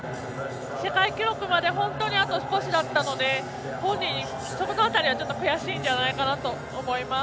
世界記録まで本当にあと少しだったので本人、その辺りはちょっと悔しいのではないかと思います。